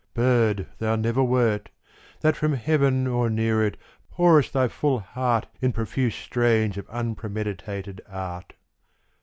Bird thou never wert That from heaven or near it Pourest thy full heart In profuse strains of unpremeditated art.